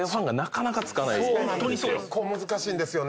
結構難しいんですよね。